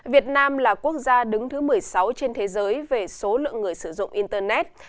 việt nam là quốc gia đứng thứ một mươi sáu trên thế giới về số lượng người sử dụng internet